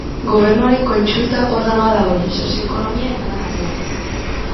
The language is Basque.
Gobernuaren kontsulta-organoa da hori, sozio-ekonomia eta lan arloan.